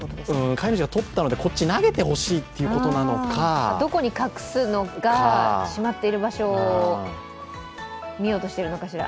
飼い主が取ったので、こっちに投げてほしいということなのか、どこに隠すのか、しまっている場所を見ようとしているのかしら。